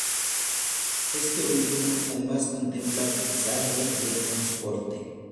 Este último además contempla pesaje de transporte.